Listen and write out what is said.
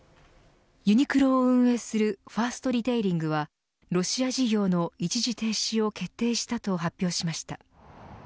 ユニクロを運営するファーストリテイリングはロシア事業の一時停止を決定したと発表しました。